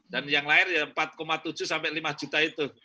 dan yang lahir empat tujuh sampai lima juta itu